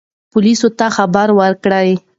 پولیس ته خبر ورکړئ.